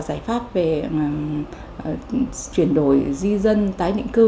giải pháp về chuyển đổi di dân tái định cư